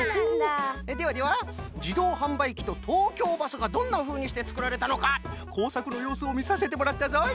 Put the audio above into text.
ではではじどうはんばいきととうきょうバスがどんなふうにしてつくられたのかこうさくのようすをみさせてもらったぞい。